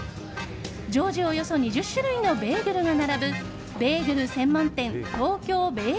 常時およそ２０種類のベーグルが並ぶベーグル専門店東京べー